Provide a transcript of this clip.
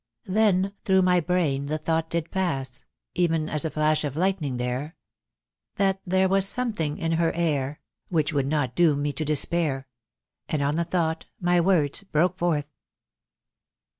"Then through my brain the thought did pass, Even as a flash of lightning there, That there was something in her air, Which would not doom me to despair; And on the thought my words broke forth."